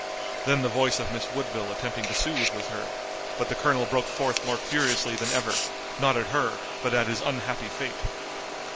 Then the voice of Miss Woodville attempting to soothe was heard, but the colonel broke forth more furiously than ever, not at her, but at his unhappy fate.